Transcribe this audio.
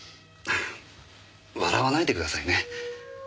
笑わないでくださいね。